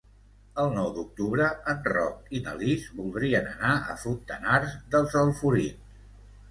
El nou d'octubre en Roc i na Lis voldrien anar a Fontanars dels Alforins.